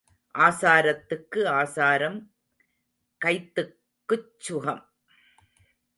ஆசாரத்துக்கு ஆசாரம் கைத்துக்குச் சுகம்.